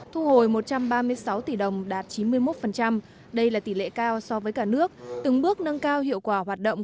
thu hồi một trăm ba mươi sáu tỷ đồng đạt chín mươi một đây là tỷ lệ cao so với cả nước từng bước nâng cao hiệu quả hoạt động